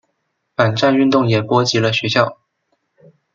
反战运动也波及了学校。